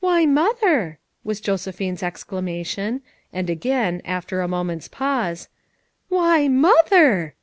"Why, Mother!" was Josephine's exclama tion; and again, after a moment's pause, ''Why, Mother!"